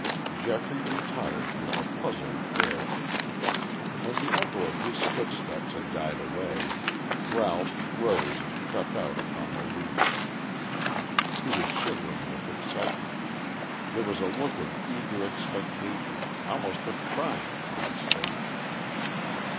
Geoffrey retired with a puzzled air. When the echo of his footsteps had died away, Ralph rose and crept out upon the leads. He was shivering with excitement; there was a look of eager expectation, almost of triumph, on his face.